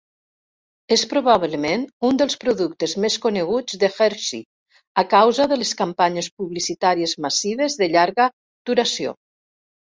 És probablement un dels productes més coneguts de Hershey a causa de les campanyes publicitàries massives de llarga duració.